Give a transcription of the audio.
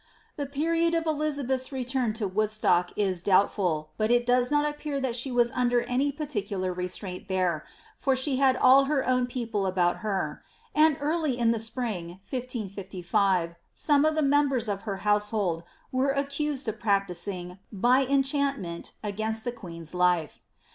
The period of Elizabelh^s return to Woodstock is doubtful ; but it does not appear that she was under any particular restraint there, for she had all her own people about her, and early in the spring, 1 555, some of the members of her household were accused of practising, by en chantment, against the queen's life.